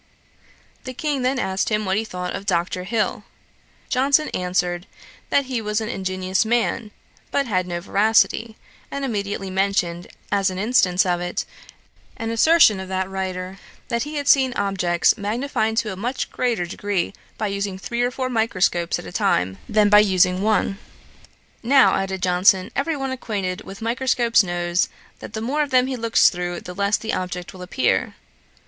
The King then asked him what he thought of Dr. Hill. Johnson answered, that he was an ingenious man, but had no veracity; and immediately mentioned, as an instance of it, an assertion of that writer, that he had seen objects magnified to a much greater degree by using three or four microscopes at a time, than by using one. 'Now, (added Johnson,) every one acquainted with microscopes knows, that the more of them he looks through, the less the object will appear.'